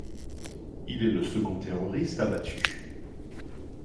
Il est le second terroriste abattu.